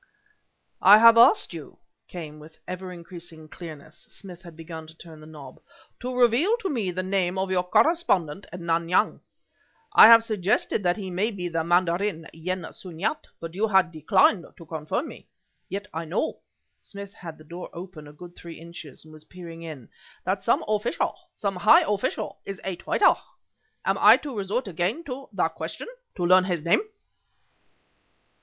"I have asked you," came with ever increasing clearness (Smith had begun to turn the knob), "to reveal to me the name of your correspondent in Nan Yang. I have suggested that he may be the Mandarin Yen Sun Yat, but you have declined to confirm me. Yet I know" (Smith had the door open a good three inches and was peering in) "that some official, some high official, is a traitor. Am I to resort again to the question to learn his name?"